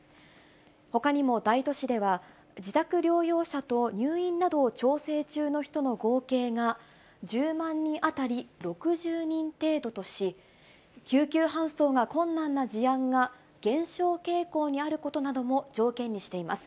ほかにも大都市では、自宅療養者と入院などを調整中の人の合計が、１０万人当たり６０人程度とし、救急搬送が困難な事案が減少傾向にあることなども条件にしています。